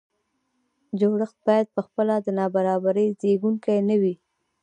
جوړښت باید په خپله د نابرابرۍ زیږوونکی نه وي.